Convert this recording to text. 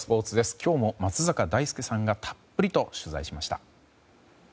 今日も松坂大輔さんがたっぷりと取材しました。